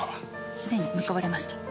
すでに向かわれました。